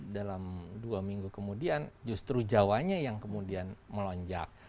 dalam dua minggu kemudian justru jawanya yang kemudian melonjak